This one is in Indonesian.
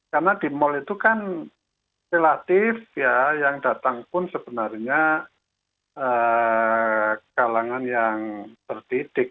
karena di mal itu kan relatif ya yang datang pun sebenarnya kalangan yang tertidik